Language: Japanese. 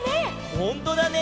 ほんとだね。